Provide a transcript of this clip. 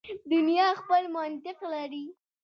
دنیا خپل منطق لري.